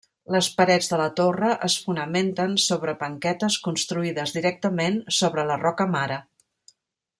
Les parets de la torre es fonamenten sobre banquetes construïdes directament sobre la roca mare.